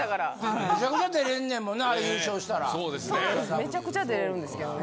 めちゃくちゃ出れるんですけどね。